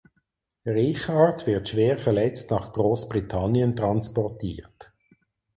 Richard wird schwer verletzt nach Großbritannien transportiert.